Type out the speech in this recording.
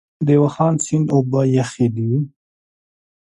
د واخان سیند اوبه یخې دي؟